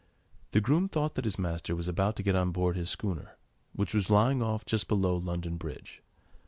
The groom thought that his master was about to get on board his schooner, which was lying off just below London Bridge.